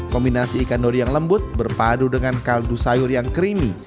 kombinasi ikan dori yang lembut berpadu dengan kaldu sayur yang creamy